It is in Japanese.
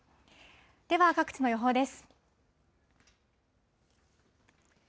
では、各地の予報です。